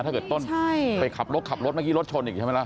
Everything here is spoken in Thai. ต้นไปขับรถขับรถเมื่อกี้รถชนอีกใช่ไหมล่ะ